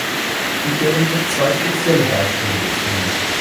Ich werde mich auf zwei spezielle Beispiele beziehen.